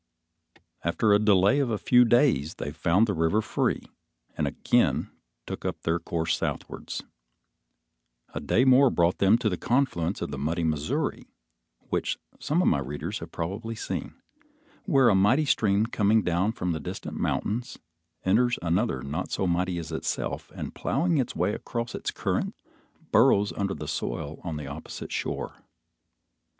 After a delay of a few days, they found the river free, and again took up their course southwards. A day more brought them to the confluence of the muddy Missouri, which some of my readers have probably seen, where a mighty stream coming down from distant mountains, enters another not so mighty as itself, and plowing its way across its current, burrows under the soil on the opposite shore.